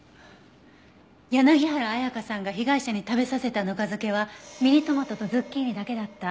柳原彩花さんが被害者に食べさせたぬか漬けはミニトマトとズッキーニだけだった。